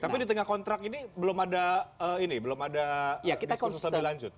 tapi di tengah kontrak ini belum ada diskursus lebih lanjut